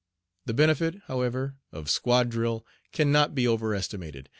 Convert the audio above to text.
The benefit, however, of "squad drill" can not be overestimated.